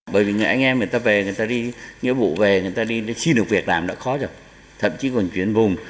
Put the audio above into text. bởi vì anh em người ta về người ta đi nghĩa vụ về người ta đi xin được việc làm đã khó rồi thậm chí còn chuyển vùng